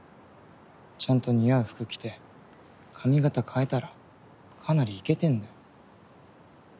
ちゃんと似合う服着て髪型変えたらかなりイケてんだよ。